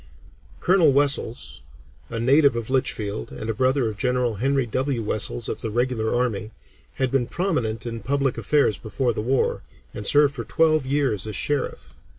Colonel Wessells, a native of Litchfield, and a brother of General Henry W. Wessells of the regular army, had been prominent in public affairs before the war, and served for twelve years as Sheriff.